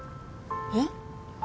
えっ？